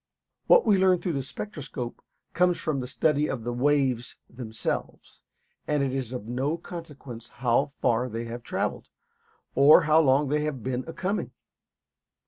What we learn through the spectroscope comes from a study of the waves themselves, and it is of no consequence how far they have travelled, or how long they have been a coming.